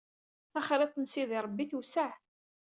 Taxriḍt n Sidi Rebbi tewseɛ.